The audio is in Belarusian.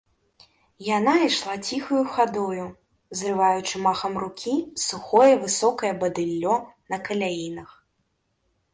Яна ішла ціхаю хадою, зрываючы махам рукі сухое высокае бадыллё на каляінах.